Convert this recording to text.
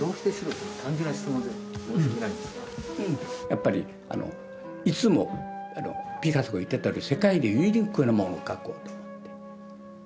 やっぱりいつもピカソが言ってたように世界でユニークなものを描こうと思って。